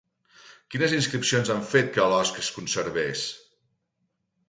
Quines inscripcions han fet que l'osc es conservés?